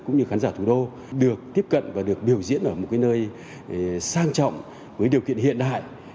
cũng như khán giả thủ đô được tiếp cận và được biểu diễn ở một nơi sang trọng với điều kiện hiện đại